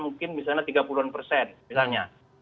mungkin misalnya tiga puluh an persen misalnya